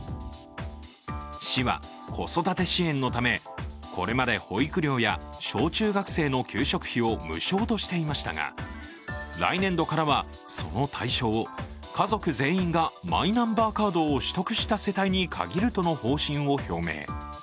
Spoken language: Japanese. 市は、子育て支援のためこれまで保育料や小中学生の給食費を無償としていましたが、来年度からはその対象を家族全員がマイナンバーカードを取得した世帯に限るとの方針を表明。